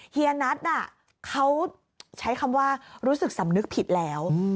เฮียนัทเขาใช้คำว่ารู้สึกสำนึกผิดแล้ว